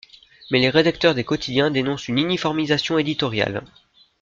Mais les rédacteurs des quotidiens dénoncent une uniformisation éditoriale.